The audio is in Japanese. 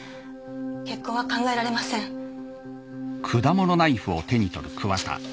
結婚は考えられませんハァ